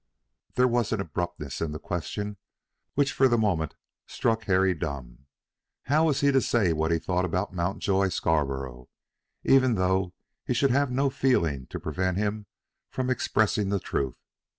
There was an abruptness in the question which for the moment struck Harry dumb. How was he to say what he thought about Mountjoy Scarborough, even though he should have no feeling to prevent him from expressing the truth?